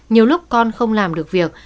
nhiều lúc con không làm được việc